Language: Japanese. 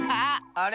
あれ？